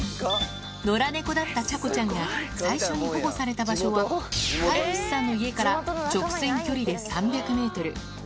野良猫だったちゃこちゃんが最初に保護された場所は、飼い主さんの家から直線距離で３００メートル。